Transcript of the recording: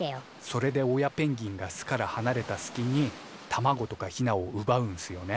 それで親ペンギンが巣からはなれたすきに卵とかヒナをうばうんすよね。